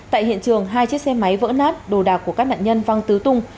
tại hiện trường hai chiếc xe máy vỡ nát đồ đạc của các nạn nhân văng tứ tung